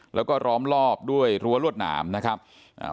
แล้วก็ล้อมรอบด้วยรั้วรวดหนามนะครับอ่า